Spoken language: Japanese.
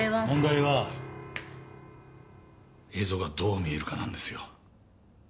問題は映像がどう見えるかなんですよ。